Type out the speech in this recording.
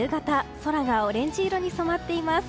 空がオレンジ色に染まっています。